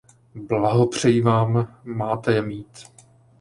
Blahopřeji vám, máte je mít.